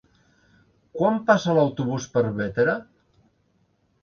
Quan passa l'autobús per Bétera?